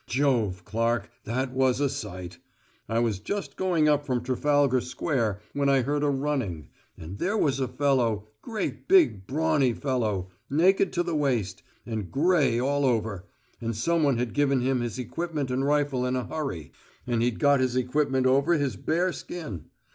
Jove, Clark, that was a sight. I was just going up from Trafalgar Square, when I heard a running, and there was a fellow, great big brawny fellow, naked to the waist, and grey all over; and someone had given him his equipment and rifle in a hurry, and he'd got his equipment over his bare skin!